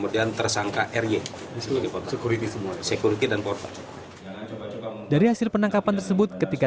tentang tindak pidana pencurian